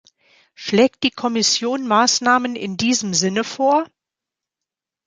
Schlägt die Kommission Maßnahmen in diesem Sinne vor?